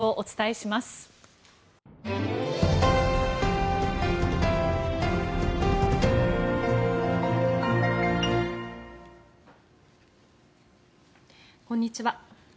こんにちは。